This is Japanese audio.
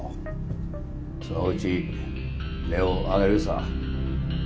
そのうち音を上げるさ。